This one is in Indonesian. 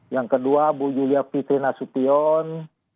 yang kedua bu yulia fitri nasupion